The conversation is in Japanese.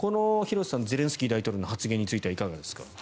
廣瀬さん、ゼレンスキー大統領の発言についてはいかがですか。